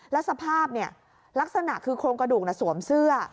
แล้วสภาพลักษณะคือโครงกระดูกสวมเสื้อ